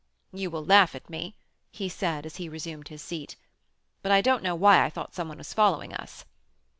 "You will laugh at me," he said, as he resumed his seat, "but I don't know why I thought some one was following us."